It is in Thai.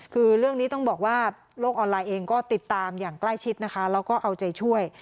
คือเรื่องนี้ต้องบอกว่าโลกออนไลน์เองก็ติดตามอย่างใกล้ชิดนะคะแล้วก็เอาใจช่วย